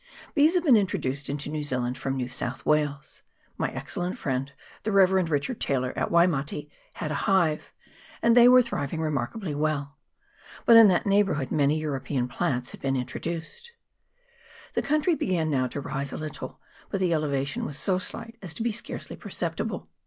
Bees have been introduced into New Zealand from New South Wales : my excellent friend, the Rev. Richard Taylor, at Waimate, had a hive, and they were thriving remarkably well ; but in that neigh bourhood many European plants had been intro duced. The country began now to rise a little, but the elevation was so slight as to be scarcely perceptible.